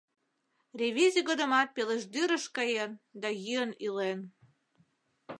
Ревизий годымат Пележдӱрыш каен да йӱын илен.